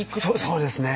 そうですね。